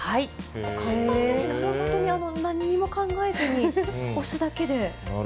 簡単ですね、本当になんにも考えずに押すだけで。